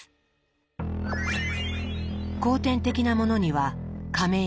後天的なものには家名